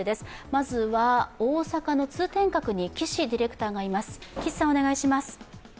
まずは、大阪の通天閣に岸ディレクターがいます。